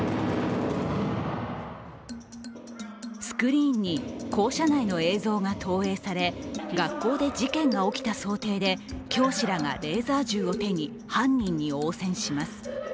スクリーンに校舎内の映像が投影され学校で事件が起きた想定で教師らがレーザー銃を手に犯人に応戦します。